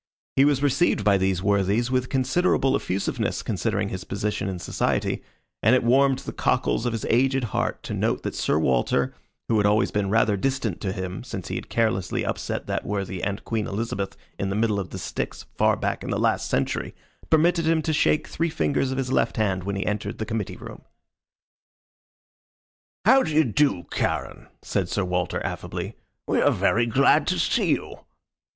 He was received by these worthies with considerable effusiveness, considering his position in society, and it warmed the cockles of his aged heart to note that Sir Walter, who had always been rather distant to him since he had carelessly upset that worthy and Queen Elizabeth in the middle of the Styx far back in the last century, permitted him to shake three fingers of his left hand when he entered the committee room. "How do you do, Charon?" said Sir Walter, affably. "We are very glad to see you."